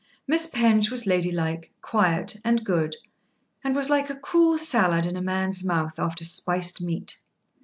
Miss Penge was ladylike, quiet, and good, and was like a cool salad in a man's mouth after spiced meat.